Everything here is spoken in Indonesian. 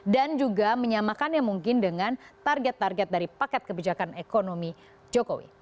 dan juga menyamakan yang mungkin dengan target target dari paket kebijakan ekonomi jokowi